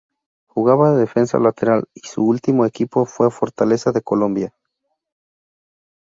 Jugaba de defensa lateral y su ultimo equipo fue Fortaleza de Colombia.